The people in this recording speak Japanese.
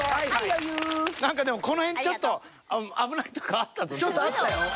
何かでもこの辺ちょっとあったよ。